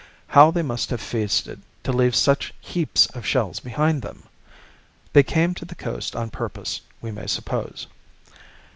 How they must have feasted, to leave such heaps of shells behind them! They came to the coast on purpose, we may suppose.